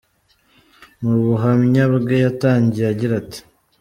Mu buhamya bwe yatangiye agira ati: .